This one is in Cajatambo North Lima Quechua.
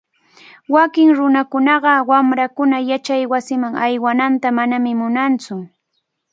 Wakin nunakunaqa wamrankuna yachaywasiman aywananta manami munantsu.